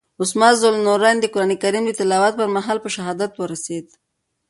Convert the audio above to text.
عثمان ذوالنورین د قرآن کریم د تلاوت پر مهال په شهادت ورسېد.